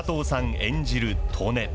演じる利根。